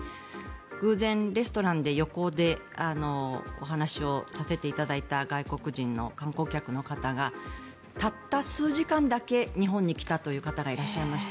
偶然、レストランで、横でお話をさせていただいた外国人の観光客の方がたった数時間だけ日本に来たという方がいらっしゃいました。